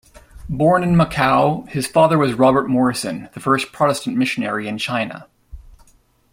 Born in Macau, his father was Robert Morrison, the first Protestant missionary in China.